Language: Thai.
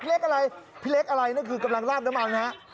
เล็กอะไรพี่เล็กอะไรนั่นคือกำลังราดน้ำมันฮะ